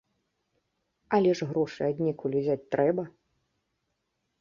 Але ж грошы аднекуль узяць трэба.